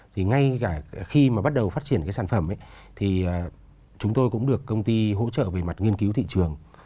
thì ngay cả khi mà bắt đầu phát triển cái sản phẩm thì chúng tôi cũng được công ty hỗ trợ về mặt nghiên cứu thị trường